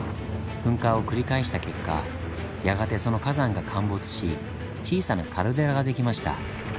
噴火を繰り返した結果やがてその火山が陥没し小さなカルデラができました。